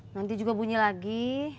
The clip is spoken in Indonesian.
nanti juga bunyi lagi